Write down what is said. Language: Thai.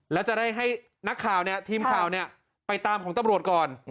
แล้วจะได้ให้นักข่าวเนี่ยทีมข่าวไปตามของตำรวจก่อน